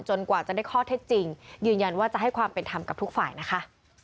กว่าจะได้ข้อเท็จจริงยืนยันว่าจะให้ความเป็นธรรมกับทุกฝ่ายนะคะ